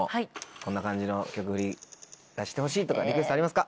こんな感じの曲フリがしてほしいとかリクエストありますか？